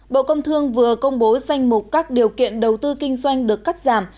bộ công thương vừa công bố danh mục các điều kiện đầu tư kinh doanh được cắt giảm